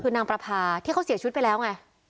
คือนางประพาที่เขาเสียชีวิตไปแล้วไง